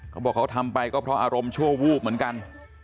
เขาบอกเขาทำไปก็เพราะอารมณ์ชั่ววูบเหมือนกัน